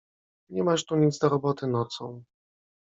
"Nie masz tu nic do roboty nocą."